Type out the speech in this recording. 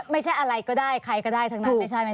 ไม่ใช่อะไรก็ได้ใครก็ได้ทั้งนั้น